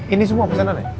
ini semua pesanan ya